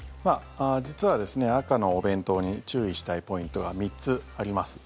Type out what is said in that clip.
実はですね、赤のお弁当に注意したいポイントが３つあります。